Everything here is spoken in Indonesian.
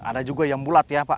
ada juga yang bulat ya pak